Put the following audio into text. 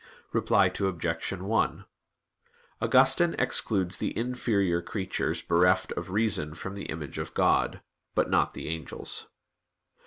Reply Obj. 1: Augustine excludes the inferior creatures bereft of reason from the image of God; but not the angels.